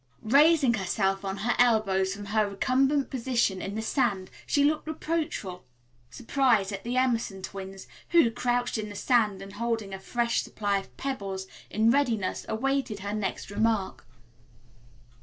Raising herself on her elbows from her recumbent position in the sand, she looked reproachful surprise at the Emerson twins who, crouched in the sand and holding a fresh supply of pebbles in readiness, awaited her next remark.